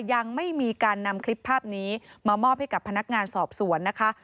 ยังไม่มีการนำคลิปภาพนี้มามอบให้กับพนักงานสอบสวนนะคะ